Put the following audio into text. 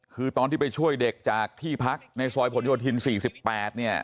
คือตอนที่ไปช่วยเด็กจากที่พักในซอยผลโยธิน๔๘เนี่ย